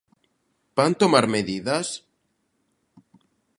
¿Van tomar medidas?